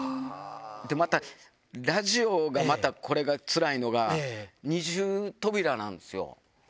で、またラジオがまたこれがつらいのが、二重扉なんですよ。